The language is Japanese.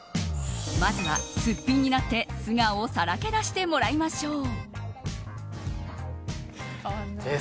まずは、すっぴんになって素顔をさらけ出してもらいましょう。